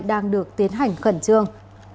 đang được tiến hành khẩn trương